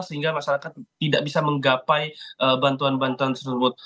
sehingga masyarakat tidak bisa menggapai bantuan bantuan tersebut